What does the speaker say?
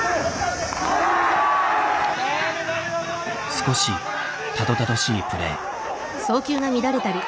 少したどたどしいプレー。